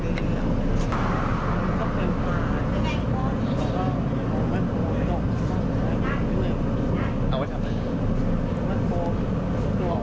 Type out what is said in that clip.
เราทราบไม่ว่าทำไมคุณนี่มีที่เยอะมาก